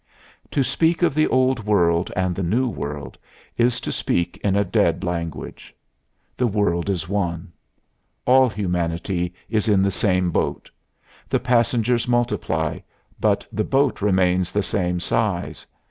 To speak of the Old World and the New World is to speak in a dead language. The world is one. All humanity is in the same boat. The passengers multiply, but the boat remains the same size.